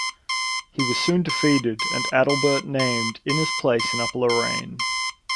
He was soon defeated and Adalbert named in his place in Upper Lorraine.